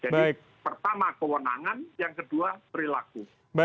jadi pertama kewenangan yang kedua perilaku